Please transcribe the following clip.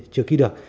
chưa ký được